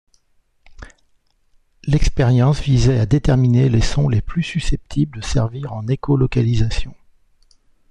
L'expérience visait à déterminer les sons les plus susceptibles de servir en écholocalisation.